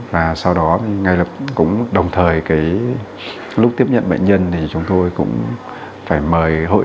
và sau đó thì ngay lập cũng đồng thời cái lúc tiếp nhận bệnh nhân thì chúng tôi cũng phải mời hội